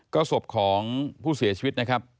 ก็ศพของผู้เสียชีวิตนะครับ